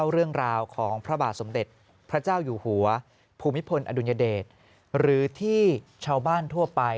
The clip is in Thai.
เรื่องราวของพระบาทสมเด็จพระเจ้าอยู่หัวภูมิพลอดุญเดชหรือที่ชาวบ้านทั่วไป